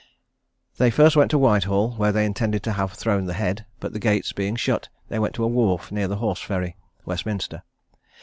They first went to Whitehall, where they intended to have thrown in the head; but the gates being shut, they went to a wharf near the Horse Ferry, Westminster.